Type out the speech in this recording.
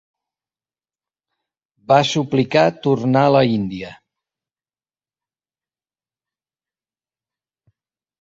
Va suplicar tornar a l'Índia.